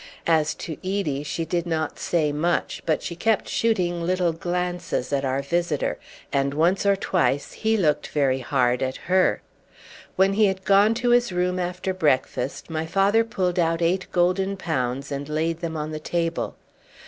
As to Edie, she did not say much, but she kept shooting little glances at our visitor, and once or twice he looked very hard at her. When he had gone to his room after breakfast, my father pulled out eight golden pounds and laid them on the table.